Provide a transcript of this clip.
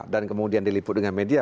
dan kemudian diliput dengan media